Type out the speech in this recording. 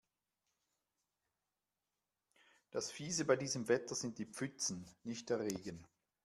Das Fiese bei diesem Wetter sind die Pfützen, nicht der Regen.